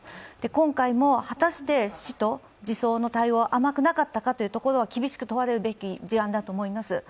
今回も果たして市と児相の対応は甘くなかったというところは厳しく問われるべき事案だと思います。